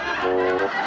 tidak ini siapa